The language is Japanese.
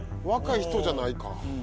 若い人じゃないか。